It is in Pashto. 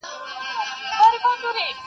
بوراګلي تر انګاره چي رانه سې -